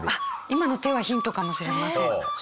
今の手はヒントかもしれません。